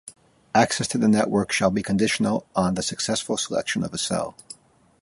Access to the network shall be conditional on the successful selection of a cell.